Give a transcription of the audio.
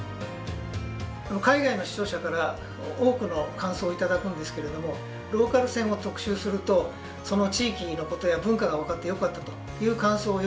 海外の視聴者から多くの感想を頂くんですけれどもローカル線を特集するとその地域のことや文化が分かってよかったという感想をよく頂きます。